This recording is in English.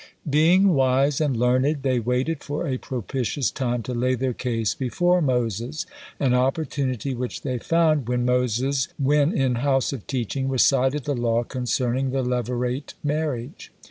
Being wise and learned, they waited for a propitious time to lay their case before Moses, and opportunity which they found when Moses in house of teaching recited the law concerning the levirate marriage.